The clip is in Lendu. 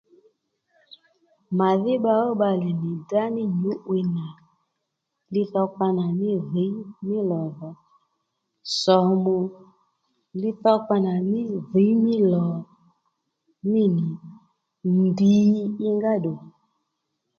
Mà dhí bba ó bbalè nì drá ní nyǔ'wiy nà li dhokpa nà mí dhǐy mí lò dhò sòmù li dhokpa nà mí dhǐy mí lò mî nì ndì i ngá ddù